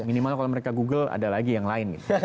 minimal kalau mereka google ada lagi yang lain